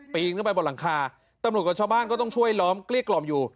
ปีนขึ้นไปบนหลังคาตำรวจกับชาวบ้านก็ต้องช่วยล้อมเกลี้ยกล่อมอยู่